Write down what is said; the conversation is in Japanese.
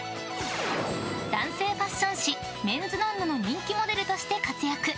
男性ファッション誌「メンズノンノ」の人気モデルとして活躍！